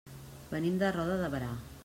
Venim de Roda de Berà.